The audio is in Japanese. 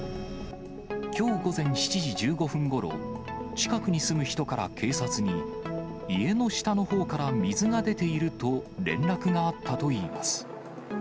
きょう午前７時１５分ごろ、近くに住む人から警察に、家の下のほうから水が出ていると連絡があったといいます。